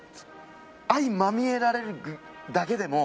相まみえられるだけでも。